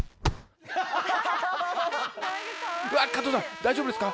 うわっ加藤さん大丈夫ですか？